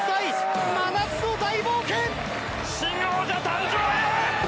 新王者誕生へ！